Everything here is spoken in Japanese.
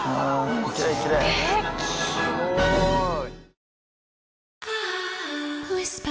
すごい。